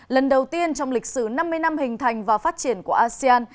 lần đầu tiên trong lịch sử năm mươi năm hình thành và phát triển của asean